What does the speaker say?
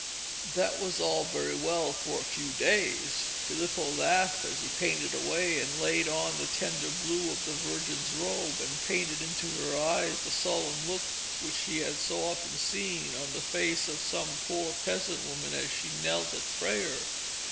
That was all very well for a few days. Filippo laughed as he painted away, and laid on the tender blue of the Virgin's robe, and painted into her eyes the solemn look which he had so often seen on the face of some poor peasant woman as she knelt at prayer.